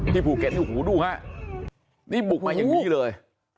ที่ภูเก็ตโอ้โฮดูฮะนี่บุกมายังมีเลย